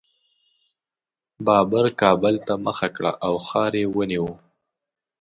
بابر کابل ته مخه کړه او ښار یې ونیو.